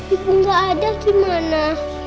ibu gak ada gimana